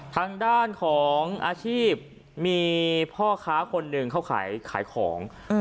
ทางด้านของอาชีพมีพ่อค้าคนหนึ่งเขาขายขายของ